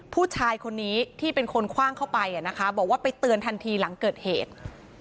ผู้ชายคนนี้ที่เป็นคนคว่างเข้าไปบอกว่าไปเตือนทันทีหลังเกิดเหตุ